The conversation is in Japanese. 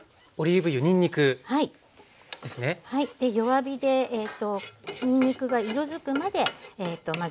弱火でにんにくが色づくまでまず炒めていきます。